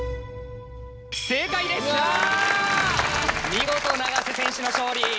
見事永瀬選手の勝利。